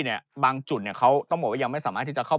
บางจุดเนี่ยเขาต้องบอกว่ายังไม่สามารถที่จะเข้า